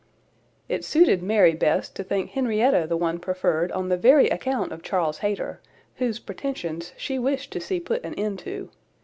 It suited Mary best to think Henrietta the one preferred on the very account of Charles Hayter, whose pretensions she wished to see put an end to.